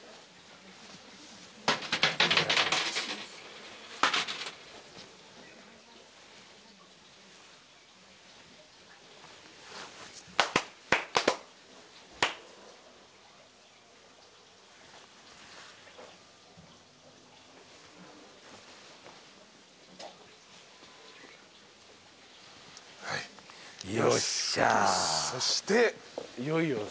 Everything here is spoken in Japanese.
そしていよいよですね。